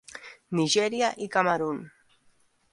Nigèria i Camerun.